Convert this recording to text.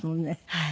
はい。